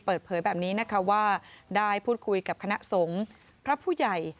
เปิดเผยแบบนี้นะคะว่าได้พูดคุยกับคณะสงฆ์พระผู้ใหญ่